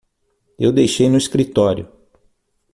Eu deixei no escritório.